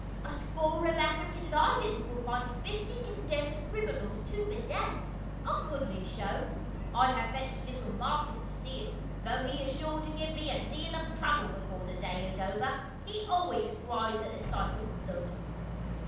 "A score of African lions will fight fifty condemned criminals to the death, a goodly show. I have fetched little Marcus to see it, though he is sure to give me a deal of trouble before the day is over ; he always cries at sight of blood."